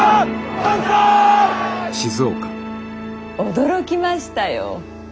驚きましたよ。